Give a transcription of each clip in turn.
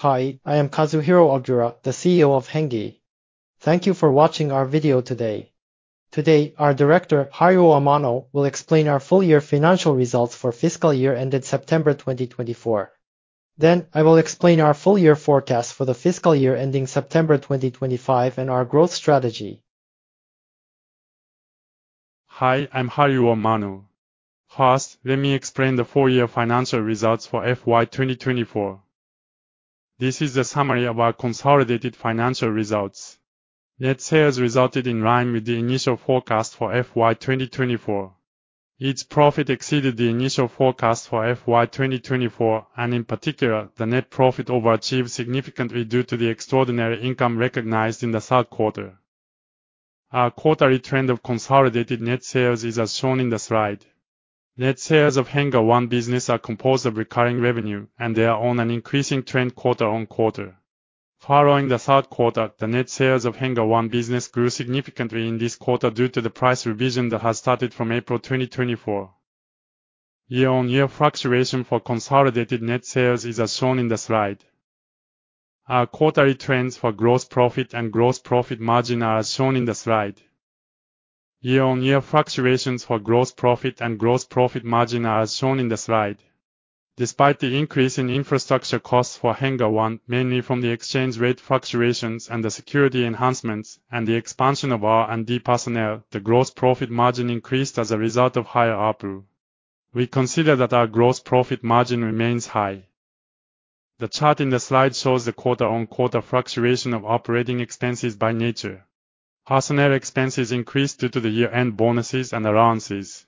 Hi, I am Kazuhiro Ogura, the CEO of HENNGE. Thank you for watching our video today. Today our director Haruo Amano will explain our full year financial results for fiscal year ended September 2024. Then I will explain our full year forecast for the fiscal year ending September 2025 and our growth strategy. Hi, I'm Haruo Amano. First, let me explain the full-year financial results for FY 2024. This is the summary of our consolidated financial results. Net sales resulted in line with the initial forecast for FY 2024. Each profit exceeded the initial forecast for FY 2024 and in particular the net profit overachieved significantly due to the extraordinary income recognized in the third quarter. A quarterly trend of consolidated net sales is as shown in the slide. Net sales of HENNGE One business are composed of recurring revenue and they are on an increasing trend quarter on quarter following the third quarter. The net sales of HENNGE One business grew significantly in this quarter due to the price revision that has started from April 2024. Year on year fluctuation for consolidated net sales is as shown in the slide. Our quarterly trends for gross profit and gross profit margin are as shown in the slide. Year on year fluctuations for gross profit and gross profit margin are as shown in the slide. Despite the increase in infrastructure costs for HENNGE One mainly from the exchange rate fluctuations and the security enhancements and the expansion of R&D personnel, the gross profit margin increased as a result of higher ARPU. We consider that our gross profit margin remains high. The chart in the slide shows the quarter on quarter fluctuation of operating expenses. By nature, personnel expenses increased due to the year-end bonuses and allowances.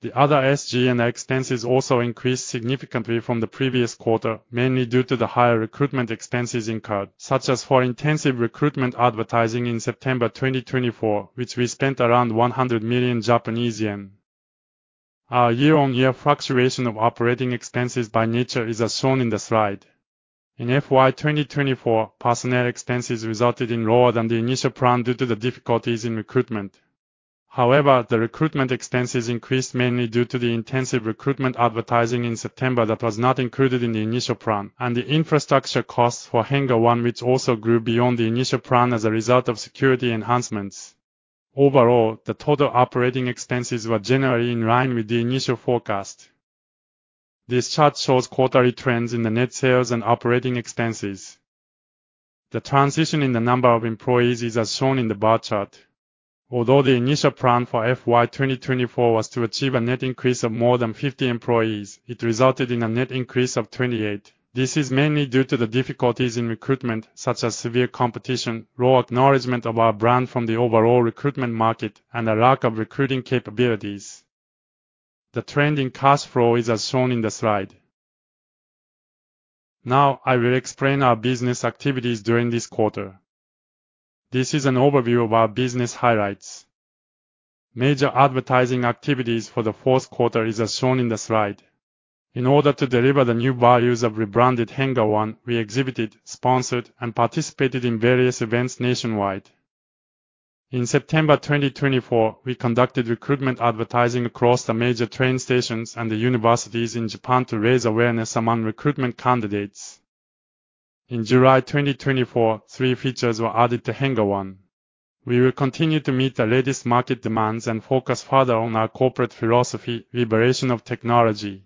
The other SG&A expenses also increased significantly from the previous quarter mainly due to the higher recruitment expenses incurred such as for intensive recruitment advertising in September 2024 which we spent around 100 million Japanese yen. Our year on year fluctuation of operating expenses by nature is as shown in the slide in FY 2024. Personnel expenses resulted in lower than the initial plan due to the difficulties in recruitment. However, the recruitment expenses increased mainly due to the intensive recruitment advertising in September that was not included in the initial plan and the infrastructure costs for HENNGE One which also grew beyond the initial plan as a result of security enhancements. Overall, the total operating expenses were generally in line with the initial forecast. This chart shows quarterly trends in the net sales and operating expenses. The transition in the number of employees is as shown in the bar chart. Although the initial plan for FY 2024 was to achieve a net increase of more than 50 employees. It resulted in a net increase of 28. This is mainly due to the difficulties in recruitment such as severe competition, low acknowledgment of our brand from the overall recruitment market and a lack of recruiting capabilities. The trend in cash flow is as shown in the slide. Now I will explain our business activities during this quarter. This is an overview of our business highlights. Major advertising activities for the fourth quarter is as shown in the slide. In order to deliver the new values of rebranded HENNGE One, we exhibited, sponsored and participated in various events nationwide. In September 2024, we conducted recruitment advertising across the major train stations and the universities in Japan to raise awareness among recruitment candidates. In July 2024, three features were added to HENNGE One. We will continue to meet the latest market demands and focus further on our corporate philosophy Liberation of Technology.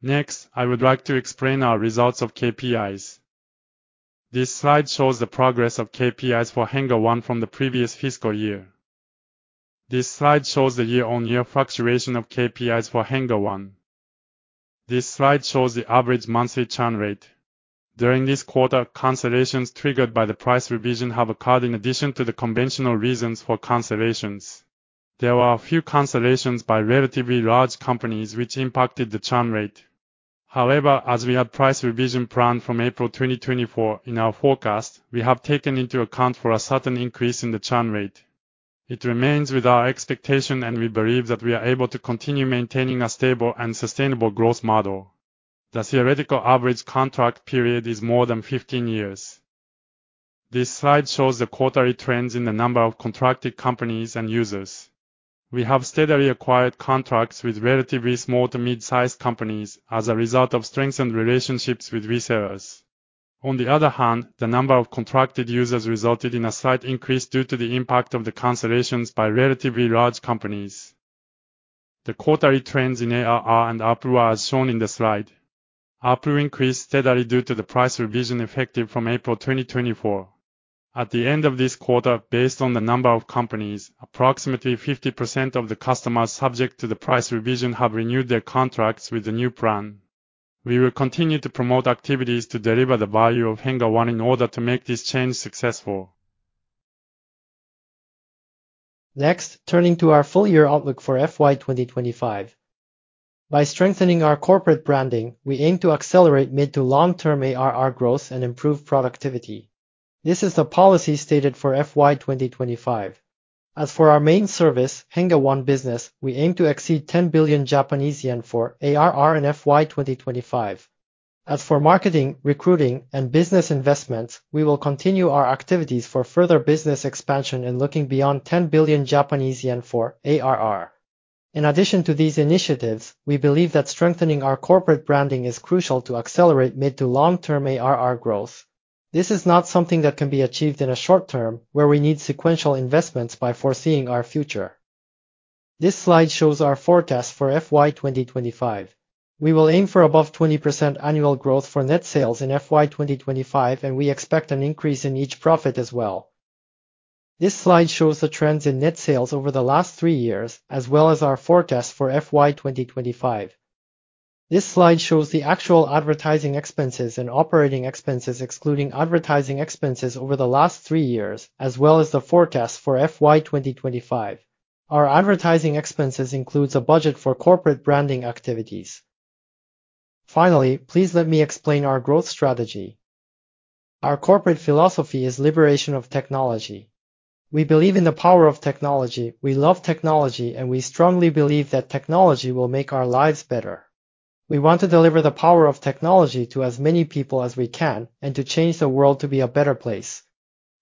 Next, I would like to explain our results of KPIs. This slide shows the progress of KPIs for HENNGE One from the previous fiscal year. This slide shows the year on year fluctuation of KPIs for HENNGE One. This slide shows the average monthly churn rate during this quarter. Cancellations triggered by the price revision have occurred. In addition to the conventional reasons for cancellations, there were a few cancellations by relatively large companies which impacted the churn rate. However, as we had price revision planned from April 2024 in our forecast, we have taken into account for a certain increase in the churn rate. It remains with our expectation and we believe that we are able to continue maintaining a stable and sustainable growth model. The theoretical average contract period is more than 15 years. This slide shows the quarterly trends in the number of contracted companies and users. We have steadily acquired contracts with relatively small to mid-sized companies as a result of strengthened relationships with resellers. On the other hand, the number of contracted users resulted in a slight increase due to the impact of the cancellations by relatively large companies. The quarterly trends in ARR and ARPU are as shown in the slide. ARPU increased steadily due to the price revision effective from April 2024. At the end of this quarter, based on the number of companies, approximately 50% of the customers subject to the price revision have renewed their contracts with the new plan. We will continue to promote activities to deliver the value of HENNGE One in order to make this change successful. Next, turning to our full year outlook for FY 2025 by strengthening our corporate branding, we aim to accelerate mid to long term ARR growth and improve productivity. This is the policy stated for FY 2025 as for our main service HENNGE One business, we aim to exceed 10 billion Japanese yen for ARR and FY 2025. As for marketing, recruiting and business investments, we will continue our activities for further business expansion and looking to be 10 billion Japanese yen for ARR. In addition to these initiatives, we believe that strengthening our corporate branding is crucial to accelerate mid to long term ARR growth. This is not something that can be achieved in a short term where we need sequential investments by foreseeing our future. This slide shows our forecast for FY 2025. We will aim for above 20% annual growth for net sales in FY 2025 and we expect an increase in each profit as well. This slide shows the trends in net sales over the last three years as well as our forecast for FY 2025. This slide shows the actual advertising expenses and operating expenses excluding advertising expenses over the last three years as well as the forecasts for FY 2025. Our advertising expenses includes a budget for corporate branding activities. Finally, please let me explain our growth strategy. Our corporate philosophy is Liberation of Technology. We believe in the power of technology, we love technology and we strongly believe that technology will make our lives better. We want to deliver the power of technology to as many people as we can and to change the world to be a better place.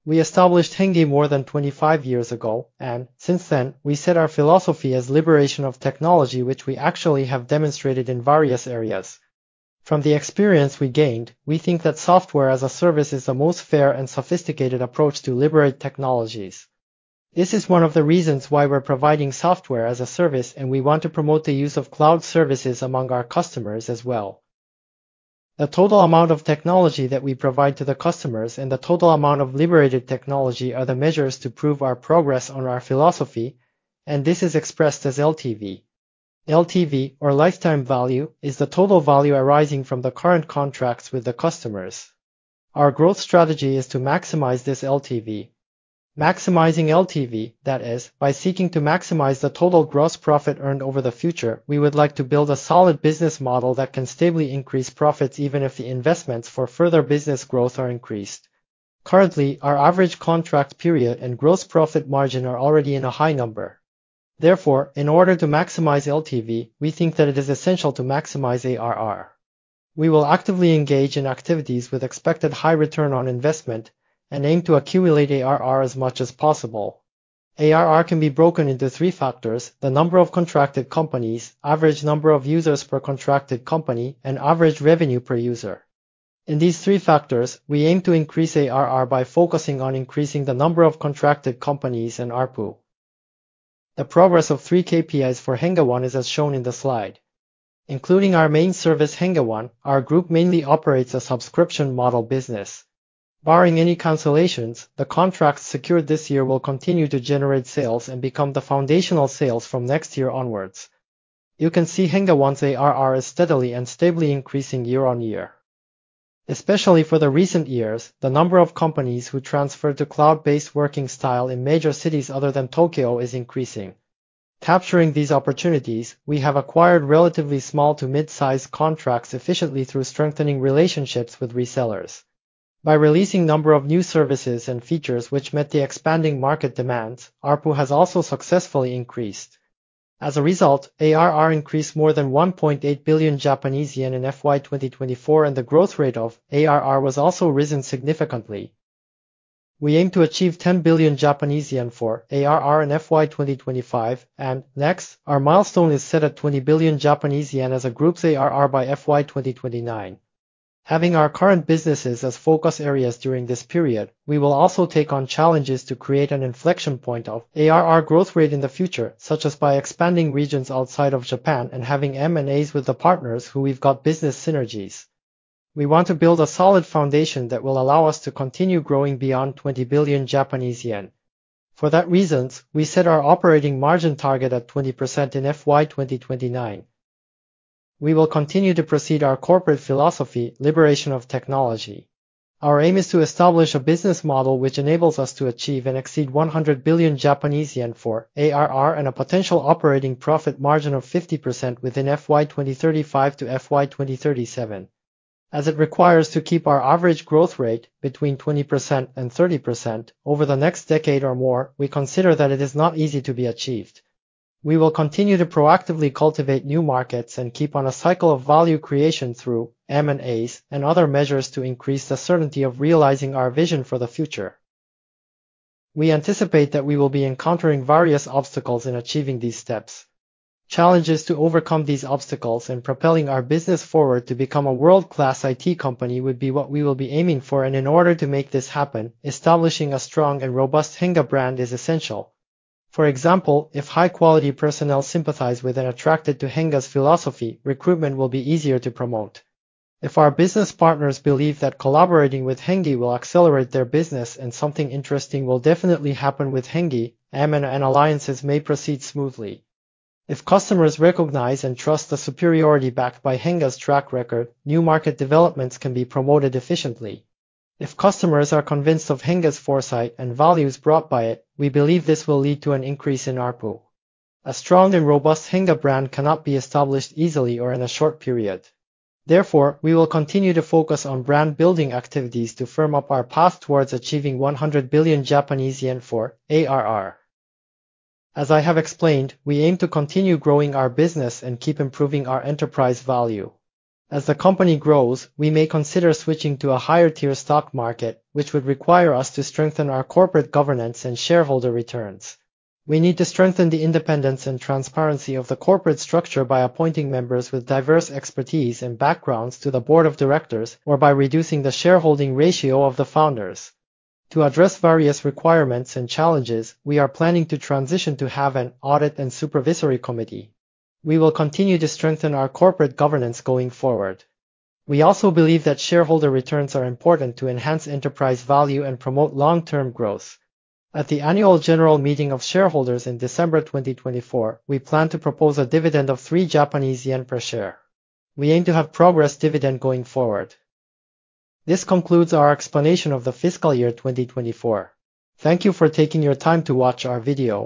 We established HENNGE more than 25 years ago and since then we set our philosophy as Liberation of Technology, which we actually have demonstrated in various areas. From the experience we gained, we think that software as a service is the most fair and sophisticated approach to liberate technologies. This is one of the reasons why we're providing software as a service and we want to promote the use of cloud services among our customers as well. The total amount of technology that we provide to the customers and the total amount of liberated technology are the measures to prove our progress on our philosophy and this is expressed as LTV. LTV or lifetime value is the total value arising from the current contracts with the customers. Our growth strategy is to maximize this LTV, maximizing LTV, that is, by seeking to maximize the total gross profit earned over the future. We would like to build a solid business model that can stably increase profits even if the investments for further business growth are increased. Currently, our average contract period and gross profit margin are already in a high number. Therefore, in order to maximize LTV, we think that it is essential to maximize ARR. We will actively engage in activities with expected high return on investment and aim to accumulate ARR as much as possible. ARR can be broken into three: the number of contracted companies, average number of users per contracted company and average revenue per user. In these three factors, we aim to increase ARR by focusing on increasing the number of contracted companies and ARPU. The progress of three KPIs for HENNGE One is as shown in the slide, including our main service HENNGE One. Our group mainly operates a subscription model business. Barring any cancellations, the contracts secured this year will continue to generate sales and become the foundational sales from next year onwards. You can see HENNGE One's ARR is steadily and stably increasing year on year. Especially for the recent years, the number of companies who transfer to cloud based working style in major cities other than Tokyo is increasing. Capturing these opportunities, we have acquired relatively small to mid sized contracts efficiently through strengthening relationships with resellers by releasing number of new services and features which met the expanding market demands. ARPU has also successfully increased. As a result, ARR increased more than 1.8 billion Japanese yen in FY 2024 and the growth rate of ARR was also risen significantly. We aim to achieve 10 billion Japanese yen for ARR in FY 2025 and next. Our milestone is set at 20 billion Japanese yen as the group's ARR by FY 2029. Having our current businesses as focus areas during this period, we will also take on challenges to create an inflection point of ARR growth rate in the future, such as by expanding regions outside of Japan and having M&As with the partners who we've got business synergies. We want to build a solid foundation that will allow us to continue growing beyond 20 billion Japanese yen. For that reason, we set our operating margin target at 20% in FY 2029. We will continue to proceed with our corporate philosophy, Liberation of Technology. Our aim is to establish a business model which enables us to achieve and exceed 100 billion Japanese yen for ARR and a potential operating profit margin of 50% within FY 2035 to FY 2037, as it requires to keep our average growth rate between 20% and 30% over the next decade or more. We consider that it is not easy to be achieved. We will continue to proactively cultivate new markets and keep on a cycle of value creation through M&A and other measures to increase the certainty of realizing our vision for the future. We anticipate that we will be encountering various obstacles in achieving these steps. Challenges to overcome these obstacles and propelling our business forward to become a world class IT company would be what we will be aiming for and in order to make this happen, establishing a strong and robust HENNGE brand is essential. For example, if high quality personnel sympathize with and attracted to HENNGE's philosophy, recruitment will be easier to promote. If our business partners believe that collaborating with HENNGE will accelerate their business and something interesting will definitely happen with HENNGE, M&A, and alliances may proceed smoothly if customers recognize and trust the superiority backed by HENNGE's track record, new market developments can be promoted efficiently. If customers are convinced of HENNGE's foresight and values brought by it, we believe this will lead to an increase in ARPU. A strong and robust HENNGE brand cannot be established easily or in a short period. Therefore, we will continue to focus on brand building activities to firm up our path towards achieving 100 billion Japanese yen for ARR. As I have explained, we aim to continue growing our business and keep improving our enterprise value. As the company grows, we may consider switching to a higher tier stock market which would require us to strengthen our corporate governance and shareholder returns. We need to strengthen the independence and transparency of the corporate structure by appointing members with diverse expertise and backgrounds to the Board of Directors or by reducing the shareholding ratio of the founders to address various requirements and challenges. We are planning to transition to have an Audit and Supervisory Committee. We will continue to strengthen our corporate governance going forward. We also believe that shareholder returns are important to enhance enterprise value and promote long term growth. At the Annual General Meeting of Shareholders in December 2024, we plan to propose a dividend of 3 Japanese yen per share. We aim to have progressive dividend going forward. This concludes our explanation of the fiscal year 2024. Thank you for taking your time to watch our video.